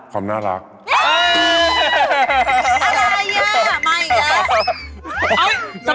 อื้ออะไรอะมาอีกแล้ว